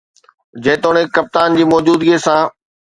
جيتوڻيڪ ڪپتان جي موجودگي سان